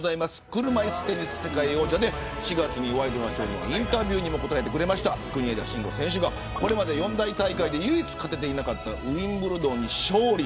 車いすテニス世界王者で４月にワイドナショーでインタビューにも答えてくれた国枝慎吾選手がこれまで四大大会で唯一勝てていなかったウィンブルドンに勝利。